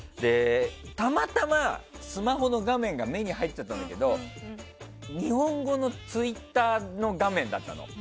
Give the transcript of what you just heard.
たまたまスマホの画面が目に入っちゃったんだけど日本語のツイッターの画面だったの。